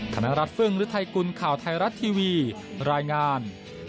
คณรัฐฟึงหรือไทยกุลข่าวไทรัตน์ทีวีรายงาน